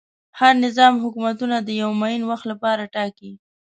هر نظام حکومتونه د یوه معین وخت لپاره ټاکي.